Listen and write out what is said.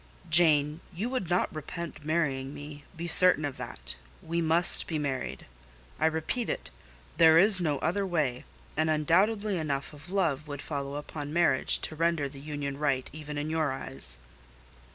Jane, you would not repent marrying me—be certain of that; we must be married. I repeat it: there is no other way; and undoubtedly enough of love would follow upon marriage to render the union right even in your eyes."